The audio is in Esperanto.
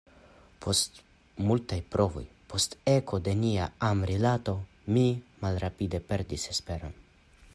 Post multaj provoj, post eko de nenia amrilato, mi malrapide perdis esperon.